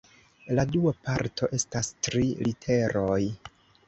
La dua parto estas tri literoj.